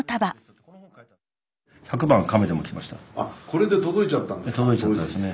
これで届いちゃったんですか。